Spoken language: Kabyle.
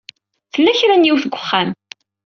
Tella kra n yiwet deg uxxam.